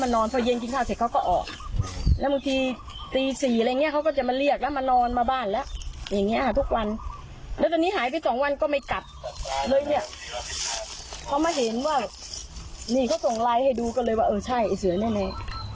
นี่เขาส่งไลน์ให้ดูกันเลยว่าเออใช่ไอ้เสือร์แน่